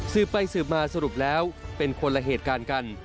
สืบไปสืบมาสรุปแล้วเป็นคนละเหตุการณ์กัน